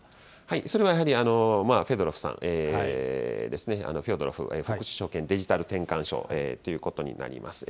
それはやはり、フョードロフさんですね、副首相兼デジタル転換相ということになります。